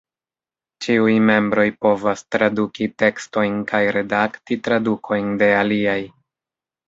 Ĉiuj membroj povas traduki tekstojn kaj redakti tradukojn de aliaj.